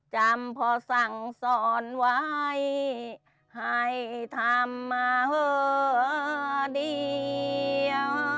จำพอสั่งสอนไว้ให้ทำมาเหอเดียว